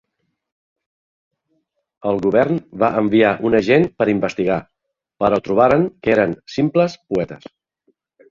El govern va enviar un agent per investigar, però trobaren que eren "simples poetes".